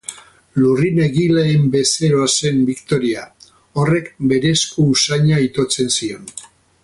Lurrin egileen bezero zen Biktoria; horrek berezko usaina itotzen zion